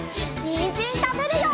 にんじんたべるよ！